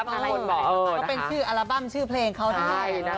ก็เป็นชื่ออัลบั้มชื่อเพลงเขาได้นะ